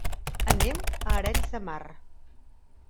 Anem a Arenys de Mar.